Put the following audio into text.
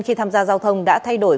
khi tham gia giao thông đã thay đổi